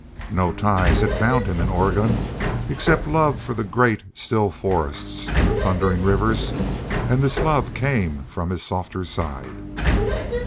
No ties had bound him in Oregon, except love for the great, still forests and the thundering rivers; and this love came from his softer side.